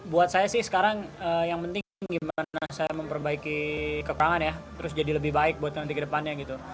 buat saya sih sekarang yang penting gimana saya memperbaiki kekurangan ya terus jadi lebih baik buat nanti ke depannya gitu